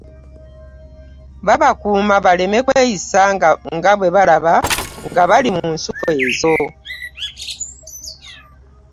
Baabakuuma baleme kweyisa nga mwe balaba nga bali mu nsuku ezo.